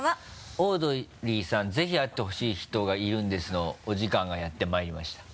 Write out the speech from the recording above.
「オードリーさん、ぜひ会ってほしい人がいるんです。」のお時間がやってまいりました。